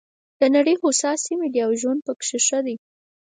د نړۍ هوسا سیمې دي او ژوند پکې ښه دی.